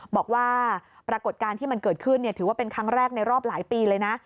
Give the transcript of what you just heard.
บอกว่าปรากฏการณ์ที่มันเกิดขึ้นถือว่าเป็นครั้งแรกในรอบหลายปีเลยนะ